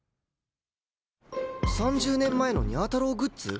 ３０年前のにゃ太郎グッズ？